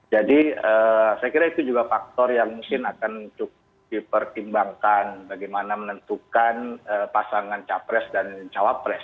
jadi saya kira itu juga faktor yang mungkin akan dipertimbangkan bagaimana menentukan pasangan capres dan cawapres